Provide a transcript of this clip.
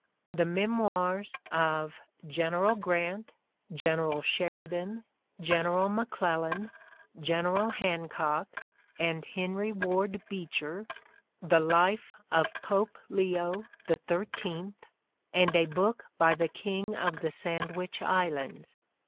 The memoirs of General Grant, General Sheridan, General McClellan, General Hancock and Henry Ward Beeeher, the "Life of Pope Leo XIII," and a book by the King of the Sandwich Islands.